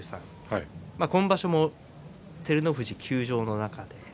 今場所も照ノ富士休場の中で。